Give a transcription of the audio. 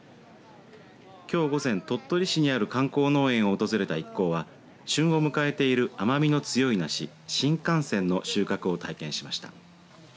きょう午前、鳥取市にある観光農園を訪れた一行は旬を迎えている甘みの強い梨新甘泉の収穫を体験しました。